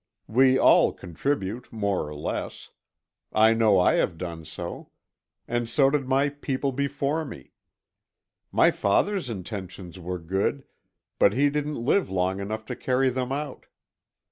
We all contribute, more or less. I know I have done so. And so did my people before me. My father's intentions were good, but he didn't live long enough to carry them out.